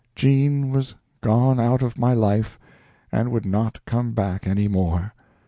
Jean was gone out of my life, and would not come back any more.